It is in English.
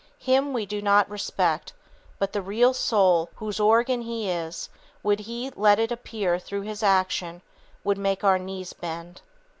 Him we do not respect; but the real soul whose organ he is, would he let it appear through his action, would make our knees bend."